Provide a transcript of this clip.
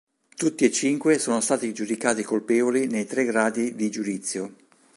Tutti e cinque sono stati giudicati colpevoli nei tre gradi di giudizio.